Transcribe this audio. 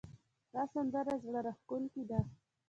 دا سندره زړه راښکونکې ده